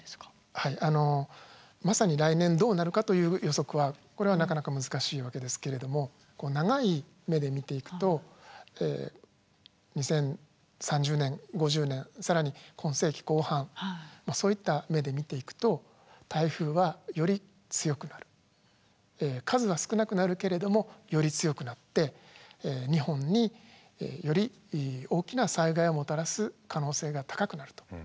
はいあのまさに来年どうなるかという予測はこれはなかなか難しいわけですけれどもこう長い目で見ていくと２０３０年５０年更に今世紀後半そういった目で見ていくと数は少なくなるけれどもより強くなって日本により大きな災害をもたらす可能性が高くなると。